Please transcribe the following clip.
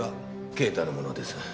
啓太のものです。